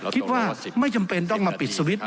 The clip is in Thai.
คิดว่าไม่จำเป็นต้องมาปิดสวิตช์